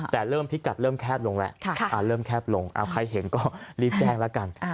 แต่เริ่มพิกัดเริ่มแคบลงแล้วเริ่มแคบลงใครเห็นก็รีบแจ้งแล้วกัน